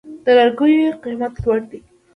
د لرګیو قیمت لوړ دی؟